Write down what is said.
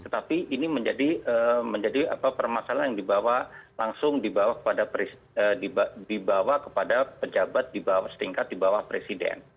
tapi ini menjadi permasalahan yang langsung dibawa kepada pejabat setingkat di bawah presiden